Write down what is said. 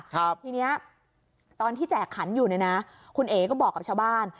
ทีเนี้ยตอนที่แจกขันอยู่เนี่ยนะคุณเอ๋ก็บอกกับชาวบ้าน